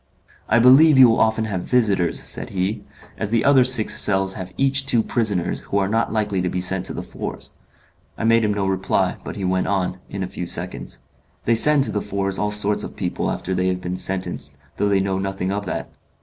"I believe you will often have visitors," said he, "as the other six cells have each two prisoners, who are not likely to be sent to the Fours." I made him no reply, but he went on, in a few seconds, "They send to the Fours all sorts of people after they have been sentenced, though they know nothing of that.